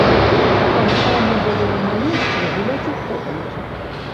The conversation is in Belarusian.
Там файна было ў маленстве гуляць у хованкі.